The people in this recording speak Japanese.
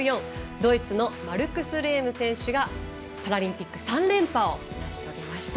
ドイツのマルクス・レーム選手がパラリンピック３連覇を成し遂げました。